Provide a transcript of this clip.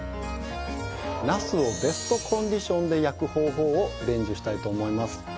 なすをベストコンディションで焼く方法を伝授したいと思います。